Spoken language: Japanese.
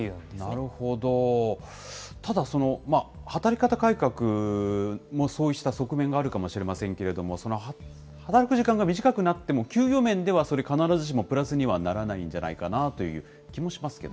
なるほど、ただ、働き方改革もそうした側面があるかもしれませんけれども、働く時間が短くなっても、給与面ではそれ、必ずしもプラスにはならないんじゃないかなという気もしますけど。